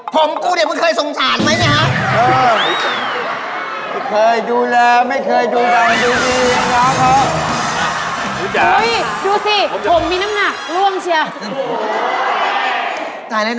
ผมกูเนี่ยคือเคยสงสารไหมนะ